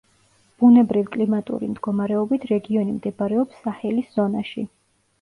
ბუნებრივ-კლიმატური მდგომარეობით რეგიონი მდებარეობს საჰელის ზონაში.